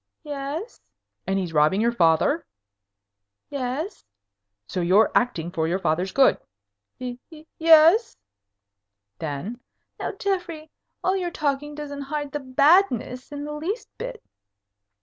"Yes." "And he's robbing your father?" "Yes." "So you're acting for your father's good?" "Y yes." "Then " "Now, Geoffrey, all your talking doesn't hide the badness in the least bit."